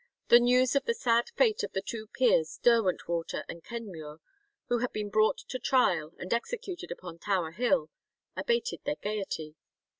The news of the sad fate of the two peers Derwentwater and Kenmure, who had been brought to trial and executed upon Tower Hill, abated their gaiety.